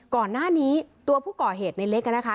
ก่อนหน้านี้ตัวผู้ก่อเหตุในเล็กนะคะ